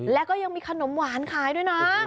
แล้วก็ยังมีขนมหวานขายด้วยนะ